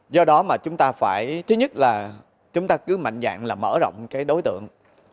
do đó mà chúng ta phải thứ nhất là chúng ta cứ mạnh dạng là mở rộng cái đối tượng